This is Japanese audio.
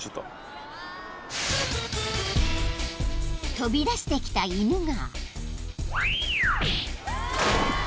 ［飛び出してきた犬が］